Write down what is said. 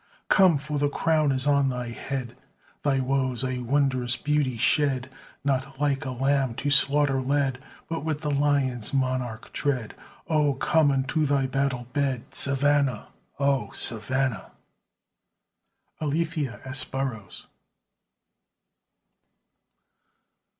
Come for the crown is on thy head! Thy woes a wondrous beauty shed; Not like a lamb to slaughter led, But with the lion's monarch tread, Oh! come unto thy battle bed, Savannah! O Savannah! ALETHEA S. BURROUGHS.